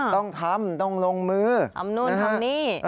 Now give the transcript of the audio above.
ต้องทำต้องลงมือทำนู่นทำนี่